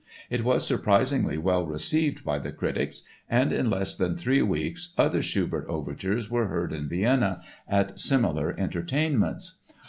It was surprisingly well received by the critics and in less than three weeks other Schubert overtures were heard in Vienna, at similar entertainments.